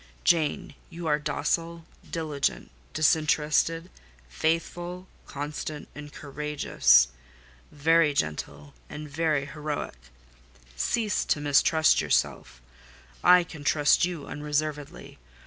Jane, you are docile, diligent, disinterested, faithful, constant, and courageous; very gentle, and very heroic: cease to mistrust yourself—I can trust you unreservedly.